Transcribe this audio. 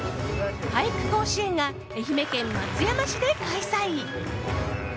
俳句甲子園が愛媛県松山市で開催。